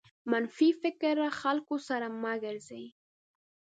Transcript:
منفي فکره خلکو سره مه ګرځٸ.